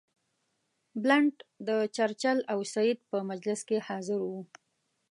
بلنټ د چرچل او سید په مجلس کې حاضر وو.